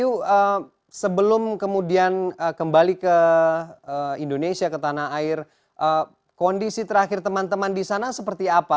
ayu sebelum kemudian kembali ke indonesia ke tanah air kondisi terakhir teman teman di sana seperti apa